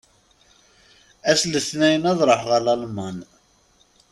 Ass n letnayen, ad ṛuḥeɣ ar Lalman.